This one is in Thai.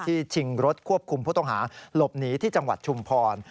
ชิงรถควบคุมผู้ต้องหาหลบหนีที่จังหวัดชุมพร